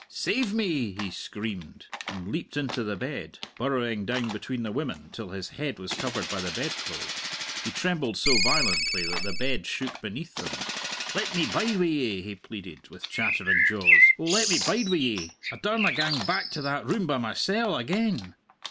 "Save me!" he screamed, and leaped into the bed, burrowing down between the women till his head was covered by the bedclothes. He trembled so violently that the bed shook beneath them. "Let me bide wi' ye!" he pleaded, with chattering jaws; "oh, let me bide wi' ye! I daurna gang back to that room by mysell again."